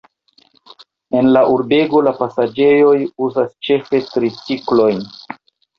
En la urbego la pasaĝeroj uzas ĉefe triciklojn.